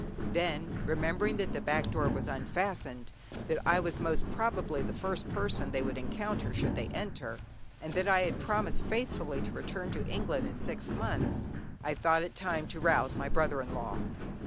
Then, remembering that the back door was unfastened, that I was most probably the first person they would encounter should they enter, and that I had promised faithfully to return to England in six months, I thought it time to rouse my brother in law.